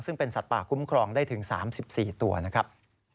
ซึ่งเป็นสัตว์ป่าคุ้มครองได้ถึง๓๔ตัวนะครับ